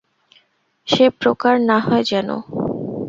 সে প্রকার না হয় যেন।